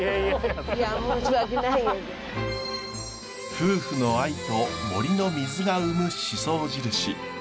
夫婦の愛と森の水が生む宍粟印。